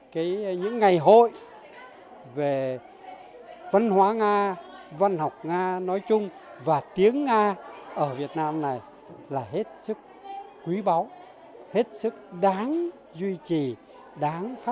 cái những ngày hội về văn hóa nga văn học nga nói chung và tiếng nga ở việt nam này là hết sức quý báu hết sức đáng duy trì đáng